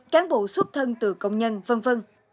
được xuất thân từ công nhân v v